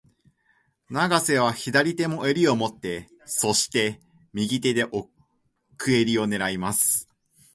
永瀬は左手も襟を持って、そして、右手で奥襟を狙います。